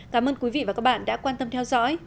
cảm ơn quý vị và các bạn đã quan tâm theo dõi